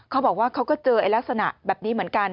เขาบอกว่าเขาก็เจอลักษณะแบบนี้เหมือนกัน